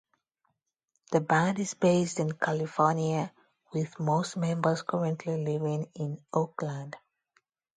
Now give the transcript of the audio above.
The band is based in California, with most members currently living in Oakland.